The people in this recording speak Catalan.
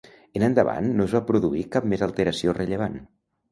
En endavant no es va produir cap més alteració rellevant.